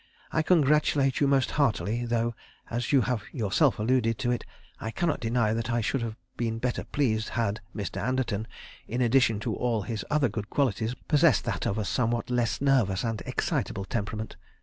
I, congratulate you most heartily, though as you have yourself alluded to it, I cannot deny that I should have been better pleased had Mr. Anderton, in addition to all his other good qualities, possessed that of a somewhat less nervous and excitable temperament.